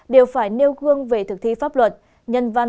đều phải nêu gương về thực thi pháp luật